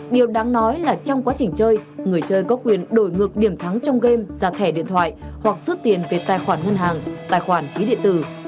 điều đáng nói là trong quá trình chơi người chơi có quyền đổi ngược điểm thắng trong game ra thẻ điện thoại hoặc rút tiền về tài khoản ngân hàng tài khoản ví điện tử